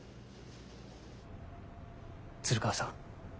鶴川さん